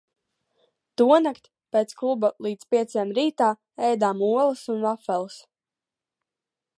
Tonakt pēc kluba līdz pieciem rītā ēdām olas un vafeles.